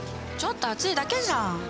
ちょっと熱いだけじゃん！